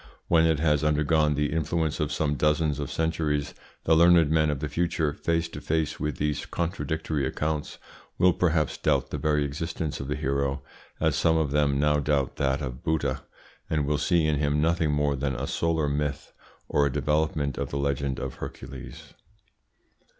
When it has undergone the influence of some dozens of centuries the learned men of the future, face to face with these contradictory accounts, will perhaps doubt the very existence of the hero, as some of them now doubt that of Buddha, and will see in him nothing more than a solar myth or a development of the legend of Hercules.